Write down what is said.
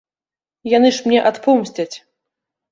Яны ж мне адпомсцяць.